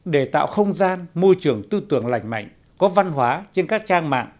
để tạo không gian môi trường tư tưởng lành mạnh có văn hóa trên các trang mạng